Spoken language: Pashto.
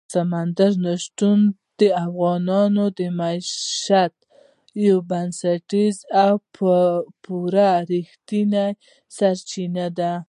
سمندر نه شتون د افغانانو د معیشت یوه بنسټیزه او پوره رښتینې سرچینه ده.